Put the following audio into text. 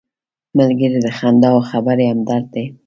ملګری د خندا او خبرې همدرد دی